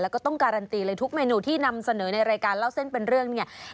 แล้วก็ต้องการันตีเลยทุกเมนูที่นำเสนอในรายการเล่าเส้นเป็นเรื่องเนี่ย